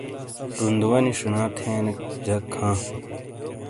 روندوانی شینا تھین جک ھاں